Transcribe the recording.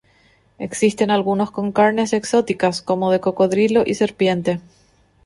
Existen algunos con carnes exóticas, como de cocodrilo y serpiente.